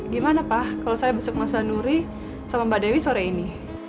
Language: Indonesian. gimana pa kalau saya besok mas ranuni sama mbak dewi sore ini